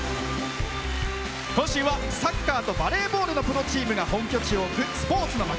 今週はサッカーとバレーボールのプロチームが本拠地を置くスポーツの街。